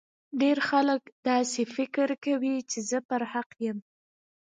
ډیر خلګ داسي فکر کوي چي زه پر حق یم